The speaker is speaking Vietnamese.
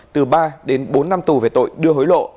từ ba đến bốn năm tù về tội đưa hối lộ